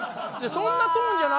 そんなトーンじゃないやん。